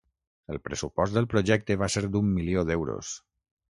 El pressupost del projecte va ser d'un milió d'euros.